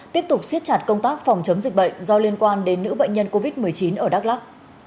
tiếp tục siết chặt công tác phòng chống dịch bệnh do liên quan đến nữ bệnh nhân covid một mươi chín ở đắk lắc